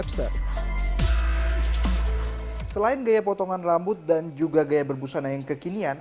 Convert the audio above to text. selain gaya potongan rambut dan juga gaya berbusana yang kekinian